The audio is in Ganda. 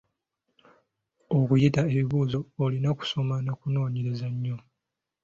Okuyita ebibuuzo olina kusoma n’akunoonyereza nnyo.